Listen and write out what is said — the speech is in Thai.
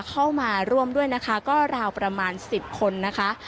เข้ามาร่วมด้วยนะคะก็ราวประมาณ๑๐คนนะคะ